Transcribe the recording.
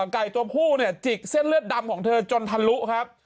ไก่ตัวผู้เนี่ยจิกเส้นเลือดดำของเธอจนทะลุครับ